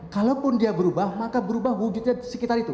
kalaupun dia berubah maka berubah wujudnya di sekitar itu